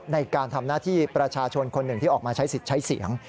ในการทำหน้าที่ประชาชนคนหนึ่งที่ออกมาใช้สิทธิ์ใช้เสียง